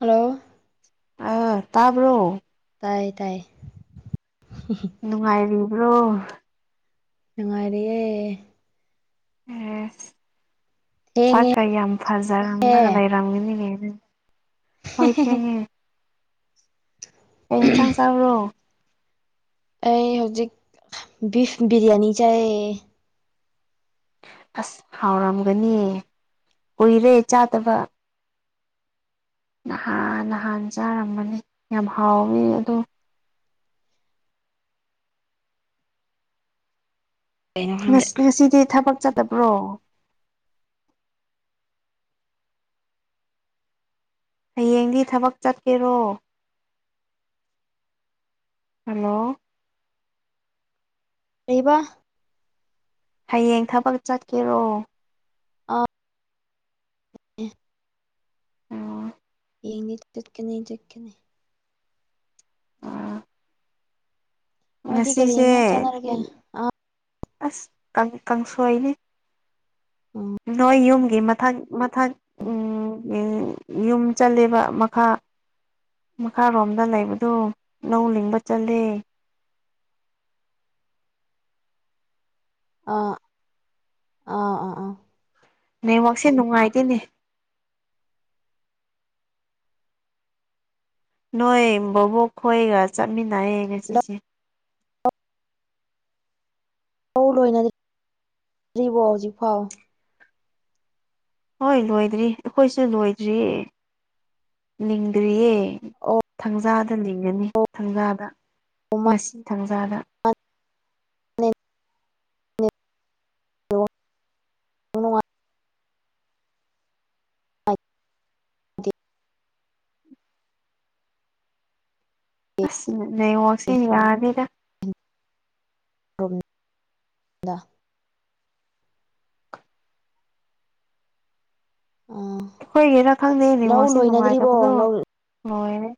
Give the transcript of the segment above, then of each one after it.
Hello ꯑ ꯇꯥꯕ꯭ꯔꯣ ꯇꯥꯏꯌꯦ ꯇꯥꯏꯌꯦ ꯅꯨꯡꯉꯥꯏꯔꯤꯕ꯭ꯔꯣ ꯅꯨꯡꯉꯥꯏꯔꯤꯌꯦ ꯑꯦꯁ ꯁꯛꯀ ꯌꯥꯝ ꯐꯥꯖꯔꯝꯃꯒ ꯊꯦꯡꯉꯦꯍꯦ ꯂꯩ ꯔꯝꯒꯅꯤꯅꯦ ꯅꯪꯗꯤ ꯍꯣꯏ ꯊꯦꯡꯉꯦ ꯀꯩ ꯌꯦꯟꯁꯥꯡ ꯆꯥꯕ꯭ꯔꯣ ꯑꯩ ꯍꯧꯖꯤꯛ ꯕꯤꯐ ꯕꯤꯔꯌꯥꯅꯤ ꯆꯥꯏꯌꯦ꯫ ꯑꯁ ꯍꯥꯎꯔꯝꯒꯅꯤꯌꯦ ꯀꯨꯏꯔꯦ ꯆꯥꯗꯕ ꯅꯍꯥꯟ ꯅꯍꯥꯟ ꯆꯥꯔꯝꯕꯅꯤ ꯌꯥꯝ ꯍꯥꯎꯕꯅꯤ ꯑꯗꯣ ꯀꯩꯅꯣ ꯈꯪꯗꯦ ꯉꯁ ꯉꯁꯤꯗꯤ ꯊꯕꯛ ꯆꯠꯇꯕ꯭ꯔꯣ꯫ ꯍꯌꯦꯡꯗꯤ ꯊꯕꯛ ꯆꯠꯀꯦꯔꯣ ꯍꯜꯂꯣ ꯀꯔꯤꯕꯥ ꯍꯌꯦꯡ ꯊꯕꯛ ꯆꯠꯀꯦꯔꯣ ꯑ [inaudible] ꯌꯦꯡꯗꯤ ꯆꯠꯀꯅꯤ ꯆꯠꯀꯅꯤ ꯅꯣꯏꯗꯤ ꯀꯔꯤ ꯉꯁꯤꯁꯦ ꯌꯦꯟꯁꯥꯡ ꯆꯥꯟꯅꯔꯒꯦ ꯑꯥ ꯑꯁ ꯀꯪ ꯀꯪꯁꯣꯏꯅꯦ ꯎꯝ ꯅꯣꯏ ꯌꯨꯝꯒꯤ ꯃꯊꯛ ꯃꯊꯛ ꯎꯝ ꯎꯝ ꯌꯨꯝ ꯆꯠꯂꯦꯕ ꯃꯈꯥ ꯃꯈꯥꯔꯣꯝꯗ ꯂꯩꯕꯗꯨ ꯂꯧ ꯂꯤꯡꯕ ꯆꯠꯂꯦ ꯑꯥ ꯑꯥ ꯑꯥ ꯑꯥ ꯅꯦꯠꯋꯥꯛꯁꯦ ꯅꯨꯡꯉꯥꯏꯇꯦꯅꯦ ꯅꯣꯏ ꯕꯣꯕꯣꯛ ꯈꯣꯏꯒ ꯆꯠꯃꯤꯟꯅꯩꯌꯦ ꯉꯁꯤꯁꯦ ꯂꯧ ꯂꯣꯏꯅ ꯗ꯭ꯔꯤꯕꯣ ꯍꯧꯖꯤꯛ ꯐꯥꯎ꯫ ꯍꯣꯏ ꯂꯣꯏꯗ꯭ꯔꯤ ꯑꯩꯈꯣꯏꯁꯨ ꯂꯣꯏꯗ꯭ꯔꯤꯌꯦ ꯂꯤꯡꯗ꯭ꯔꯤꯌꯦ꯫ ꯑꯣ ꯊꯥꯡꯖꯥꯗ ꯂꯤꯡꯒꯅꯤ ꯊꯥꯡꯖꯥꯗ ꯉꯁꯤ ꯊꯥꯡꯖꯥꯗ꯫ [unintelligible] ꯅꯦꯠꯋꯥꯛ ꯅꯨꯡꯉꯥꯏ [inaudible] ꯑꯁ ꯅꯦꯠꯋꯥꯛꯁꯦ ꯌꯥꯗꯦꯗ [inaudible] ꯎꯝ ꯑꯩꯈꯣꯏꯒꯤꯅ ꯈꯪꯗꯦ ꯅꯦꯠꯋꯥꯛꯁꯦ ꯅꯨꯡꯉꯥꯏꯇꯕꯅ ꯂꯧ ꯂꯣꯏꯔꯦ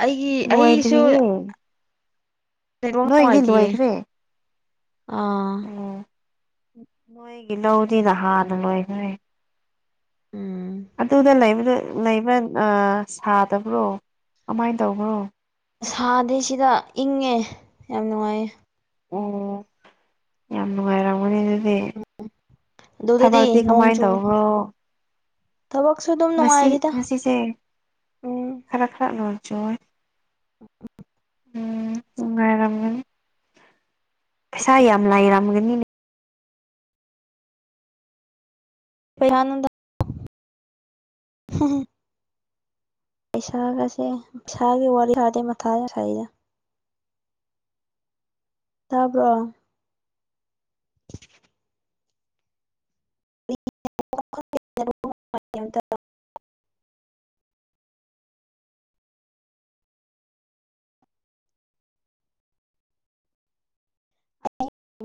ꯑꯩꯒꯤ ꯑꯩꯁꯨ ꯂꯣꯏꯗ꯭ꯔꯤꯌꯦ ꯅꯦꯠꯋꯥꯛ ꯅꯣꯏꯒꯤꯗꯤ ꯅꯨꯡꯉꯥꯏꯇꯤꯌꯦ ꯂꯣꯏꯈ꯭ꯔꯦ ꯑꯥ ꯎꯝ ꯅꯣꯏꯒꯤ ꯂꯧꯗꯤꯅ ꯅꯍꯥꯟꯅ ꯂꯣꯏꯈ꯭ꯔꯦ ꯎꯝ ꯑꯗꯨꯗꯥ ꯂꯩꯕꯗꯣ ꯂꯩꯕ ꯑꯥ ꯁꯥꯗꯕ꯭ꯔꯣ ꯀꯃꯥꯏꯅ ꯇꯧꯕꯔꯣ ꯁꯥꯗꯦ ꯁꯤꯗ ꯏꯪꯉꯦ ꯌꯥꯝ ꯅꯨꯡꯉꯥꯏꯌꯦ ꯑꯣ ꯌꯥꯝ ꯅꯨꯡꯉꯥꯏꯔꯝꯒꯅꯤ ꯑꯗꯨꯗꯤ ꯑꯦ ꯑꯗꯨꯗꯗꯤ ꯊꯕꯛꯇꯤ ꯅꯣꯡ ꯀꯃꯥꯏꯅ ꯆꯨ ꯇꯧꯕꯔꯣ ꯊꯕꯛꯁꯨ ꯑꯗꯨꯝ ꯉꯁꯤ ꯅꯨꯡꯉꯥꯏꯔꯤꯗ ꯉꯁꯤꯁꯦ ꯈꯔ ꯈꯔ ꯅꯣꯡ ꯆꯨꯌꯦ ꯎꯝ ꯎꯝ ꯑꯉꯥꯏꯔꯝꯒꯅꯤ ꯄꯩꯁꯥ ꯌꯥꯝ ꯂꯥꯏꯔꯝꯒꯅꯤꯅꯦ ꯀꯥꯢꯗꯩꯅꯣꯗꯥ [unintelligible] ꯄꯩꯁꯥꯒꯁꯦ ꯄꯩꯁꯥꯒꯤ ꯋꯥꯔꯤ ꯁꯥꯗꯦ ꯃꯊꯥ ꯌꯥꯝ ꯁꯥꯢꯗꯥ ꯇꯥꯕꯔꯣ [inaudible] [inaudible]